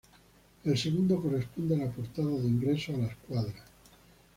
El segundo corresponde a la portada de ingreso a las cuadras.